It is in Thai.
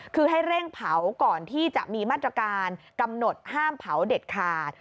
คือให้เร่งเผาก่อนที่จะมีมาตรการกำหนดห้ามเผาเด็ดขาด